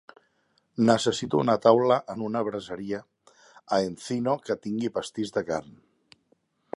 Necessito una taula en una braseria a Encino que tingui pastís de carn.